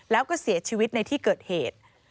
แล้วก็เสียชีวิตในที่เกิดเหตุ